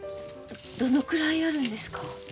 どのくらいあるんですか？